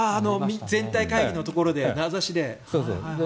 全体会議のところで名指しで。